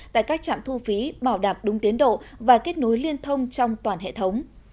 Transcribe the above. tại các trạm thu phí bảo đảm đúng tiến độ và kết nối liên thông trong toàn hệ thống